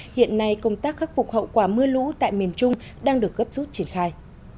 hiện nay công tác khắc phục hậu quả mưa lũ tại miền trung đang được gấp rút triển khai